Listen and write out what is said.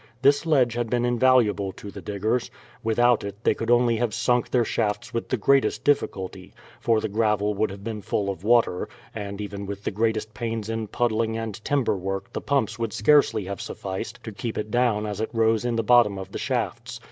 This ledge had been invaluable to the diggers: without it they could only have sunk their shafts with the greatest difficulty, for the gravel would have been full of water, and even with the greatest pains in puddling and timber work the pumps would scarcely have sufficed to keep it down as it rose in the bottom of the shafts.